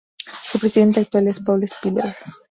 Su presidente actual es Paul Spiller.